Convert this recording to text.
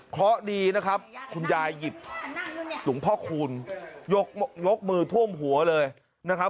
เพราะดีนะครับคุณยายหยิบหลวงพ่อคูณยกมือท่วมหัวเลยนะครับ